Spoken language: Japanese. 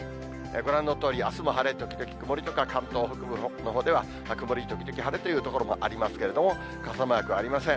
ご覧のとおり、あすも晴れ時々曇りとか、関東北部のほうでは曇り時々晴れという所もありますけれども、傘マークありません。